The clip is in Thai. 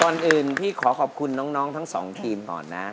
ก่อนอื่นพี่ขอขอบคุณน้องทั้งสองทีมก่อนนะ